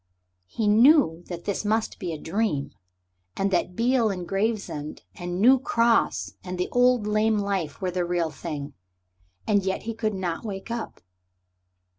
He knew that this must be a dream, and that Beale and Gravesend and New Cross and the old lame life were the real thing, and yet he could not wake up.